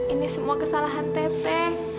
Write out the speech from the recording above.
ini semua kesalahan tete